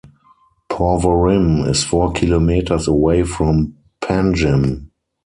Porvorim is four kilometres away from Panjim.